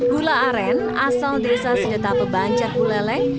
gula aren asal desa sidetapu bancar bulelek